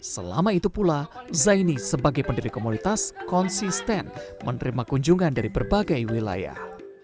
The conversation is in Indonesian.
selama itu pula zaini sebagai pendiri komunitas konsisten menerima kunjungan dari berbagai wilayah